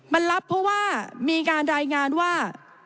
มันรับเพราะว่ามีการรายงานว่า